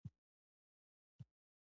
پیرودونکی د کیفیت په اړه پوښتنه وکړه.